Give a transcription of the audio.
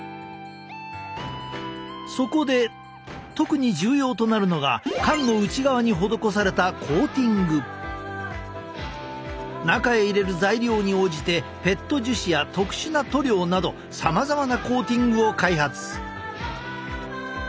そこで特に重要となるのが缶の内側に施された中へ入れる材料に応じてＰＥＴ樹脂や特殊な塗料などさまざまなコーティングを開発。